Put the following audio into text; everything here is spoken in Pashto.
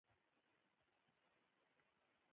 ويې ويل لږ به په کراره خبرې کيې.